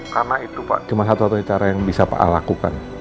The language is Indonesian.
karena itu pak cuma satu satunya cara yang bisa pak al lakukan